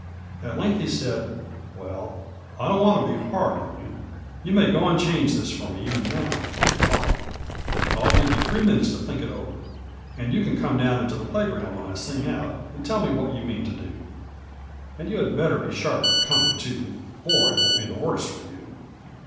At length he said, " Well, I don't want to be hard on you. You may go and change this for me even now, if you like. I'll give you three minutes to think it over, and you can come down into the play ground when I sing out, and tell me what you mean to do. And you had better be sharp in coming, too, or it will be the worse for you."